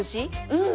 うん！